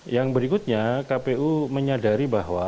yang berikutnya kpu menyadari bahwa